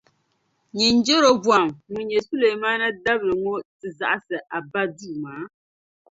nyin’ Jɛrɔbɔam ŋun nyɛ Sulemaana dabili ŋɔ ti zaɣisi a ba duuma.